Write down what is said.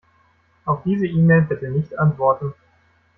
Auf diese E-Mail bitte nicht antworten.